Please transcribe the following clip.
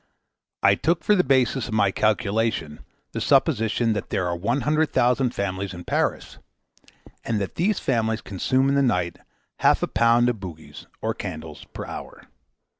I took for the basis of my calculation the supposition that there are one hundred thousand families in Paris, and that these families consume in the night half a pound of bougies, or candles, per hour.